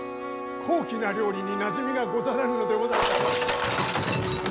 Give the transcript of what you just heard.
高貴な料理になじみがござらぬのでございましょう。